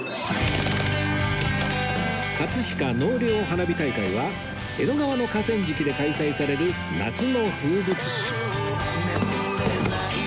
葛飾納涼花火大会は江戸川の河川敷で開催される夏の風物詩